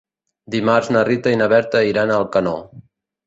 Dimarts na Rita i na Berta iran a Alcanó.